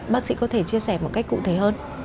bác sĩ có thể chia sẻ một cách cụ thể hơn